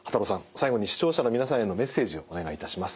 最後に視聴者の皆さんへのメッセージをお願いいたします。